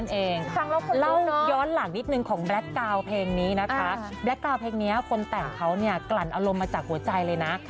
น้องเติร์ดน้องเติร์ดทิริเบิร์ตคุณผู้ชม